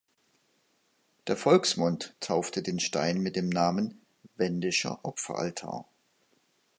Der Volksmund taufte den Stein mit dem Namen "Wendischer Opferaltar".